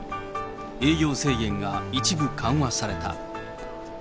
営業制限が一部緩和された。